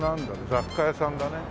雑貨屋さんだね。